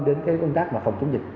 đến công tác phòng chống dịch